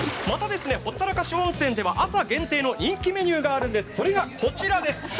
またほったらかし温泉では朝限定の人気メニューがあるんです、それがこちらです。